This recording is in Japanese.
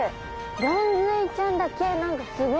ゴンズイちゃんだけすごい。